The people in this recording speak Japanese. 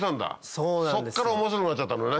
そっから面白くなっちゃったのね。